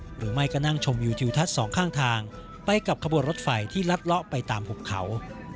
หรือไม่ก็นั่งชมวิวทิวทัศน์สองข้างทางไปกับขบวนรถไฟที่ลัดเลาะไปตามหุบเขา